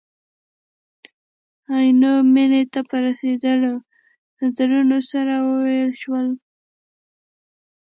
عینو مینې ته په رسېدلو نظرونه سره ووېشل شول.